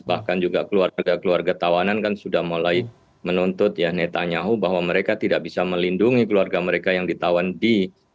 bahkan juga keluarga keluarga tawanan kan sudah mulai menuntut ya netanyahu bahwa mereka tidak bisa melindungi keluarga mereka yang ditawan di